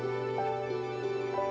ya tuhan kami berdoa